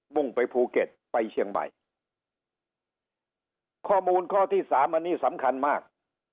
่งไปภูเก็ตไปเชียงใหม่ข้อมูลข้อที่สามอันนี้สำคัญมาก